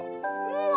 うわ！